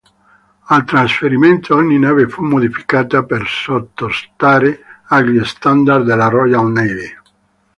Al trasferimento, ogni nave fu modificata per sottostare agli standard della Royal Navy.